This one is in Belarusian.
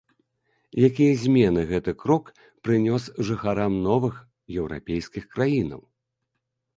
Якія змены гэты крок прынёс жыхарам новых еўрапейскім краінаў?